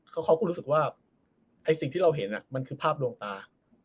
เขาก็รู้สึกว่าไอ้สิ่งที่เราเห็นมันคือภาพลวงตา